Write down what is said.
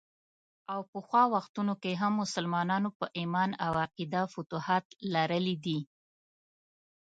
او پخوا وختونو کې هم مسلمانانو په ايمان او عقیده فتوحات لرلي دي.